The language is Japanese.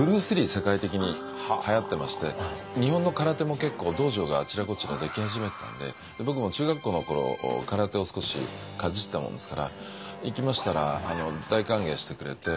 世界的にはやってまして日本の空手も結構道場があちらこちら出来始めてたんで僕も中学校の頃空手を少しかじったもんですから行きましたら大歓迎してくれて。